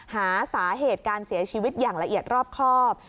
หาสาเหตุการเสียชีวิตอย่างละเอียดรอบครอบ